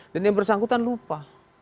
dan yang bersangkutan lupa